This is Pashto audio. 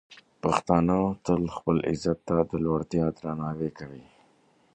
پښتانه تل خپل عزت ته د لوړتیا درناوی کوي.